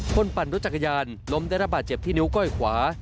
ปั่นรถจักรยานล้มได้ระบาดเจ็บที่นิ้วก้อยขวา